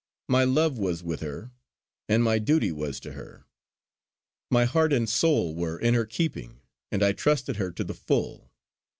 My love was with her, and my duty was to her. My heart and soul were in her keeping, and I trusted her to the full.